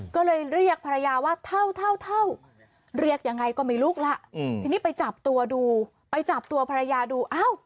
ก็เลยเรียกภรรยาว่าเท่าเท่าเรียกยังไงก็ไม่ลุกล่ะทีนี้ไปจับตัวดูไปจับตัวภรรยาดูอ้าว